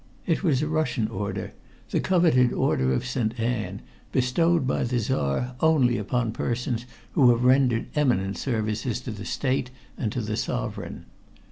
It was a Russian order the coveted Order of Saint Anne, bestowed by the Czar only upon persons who have rendered eminent services to the State and to the sovereign.